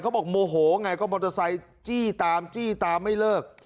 โมโหไงก็มอเตอร์ไซค์จี้ตามจี้ตามไม่เลิก